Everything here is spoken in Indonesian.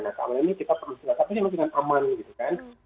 nah keamanan ini kita pernah lihat tapi memang dengan aman gitu kan